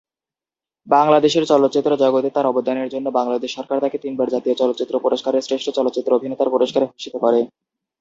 বাংলাদেশের চলচ্চিত্র জগতে তার অবদানের জন্য বাংলাদেশ সরকার তাকে তিনবার জাতীয় চলচ্চিত্র পুরস্কারের শ্রেষ্ঠ চলচ্চিত্র অভিনেতার পুরস্কারে ভূষিত করে।